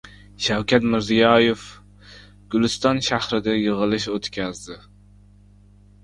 Shavkat Mirziyoyev Guliston shahrida yig‘ilish o‘tkazdi